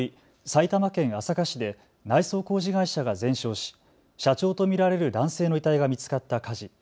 埼玉県朝霞市で内装工事会社が全焼し社長と見られる男性の遺体が見つかった火事。